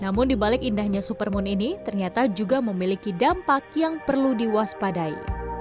namun dibalik indahnya supermoon ini ternyata juga memiliki dampak yang perlu diwaspadai